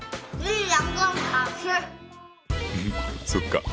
そっか。